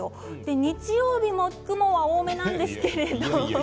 日曜日も雲は多めなんですけれど。